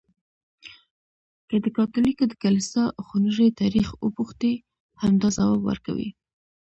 که د کاتولیکو د کلیسا خونړی تاریخ وپوښتې، همدا ځواب ورکوي.